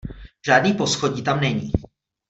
Žádný poschodí tam není.